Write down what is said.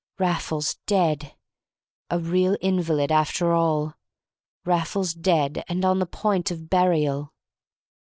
Raffles dead! A real invalid after all! Raffles dead, and on the point of burial!